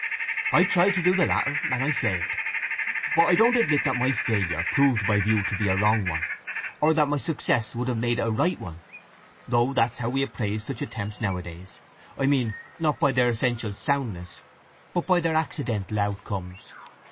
I tried to do the latter, and I failed. But I don't admit that my failure proved my view to be a wrong one, or that my success would have made it a right one; though that's how we appraise such attempts nowadays—I mean, not by their essential soundness, but by their accidental outcomes.